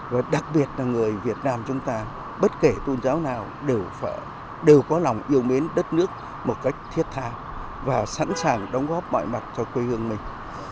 và đặc biệt là người việt nam chúng ta bất kể tôn giáo nào đều có lòng yêu mến đất nước một cách thiết tha và sẵn sàng đóng góp mọi mặt cho quê hương mình